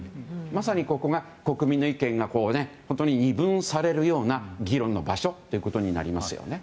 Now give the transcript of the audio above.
まさにここが国民の意見が本当に二分されるような議論の場所ということになりますよね。